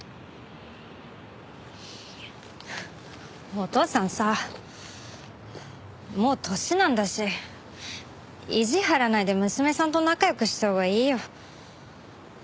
お父さんさもう年なんだし意地張らないで娘さんと仲良くしたほうがいいよ。